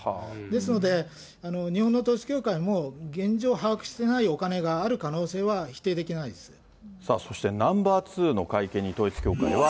ですので、日本の統一教会も現状把握してないお金がある可能性はさあ、そしてナンバー２の会見に統一教会は。